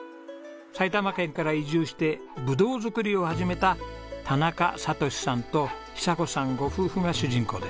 埼玉県から移住してぶどう作りを始めた田中哲さんと久子さんご夫婦が主人公です。